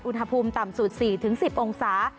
อุณหภูมิต่ำสุด๔๑๐องศา